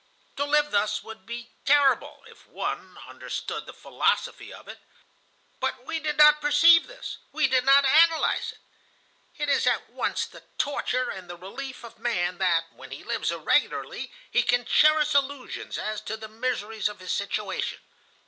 To live thus would be terrible, if one understood the philosophy of it. But we did not perceive this, we did not analyze it. It is at once the torture and the relief of man that, when he lives irregularly, he can cherish illusions as to the miseries of his situation.